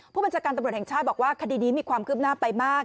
ผู้บัญชาการตำรวจแห่งชาติบอกว่าคดีนี้มีความคืบหน้าไปมาก